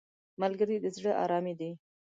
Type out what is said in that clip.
ملګری د زړه آرامي دی